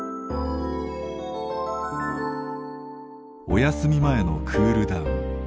おやすみ前のクールダウン。